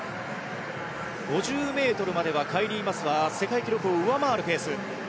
５０ｍまではカイリー・マスは世界記録を上回るペース。